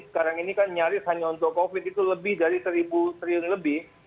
sekarang ini kan nyaris hanya untuk covid sembilan belas itu lebih dari rp satu triliun lebih